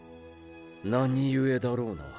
何故だろうな。